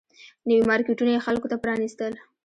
نوي مارکیټونه یې خلکو ته پرانيستل